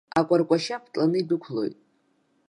Акәаркәашьа ԥытланы идәықәлоит.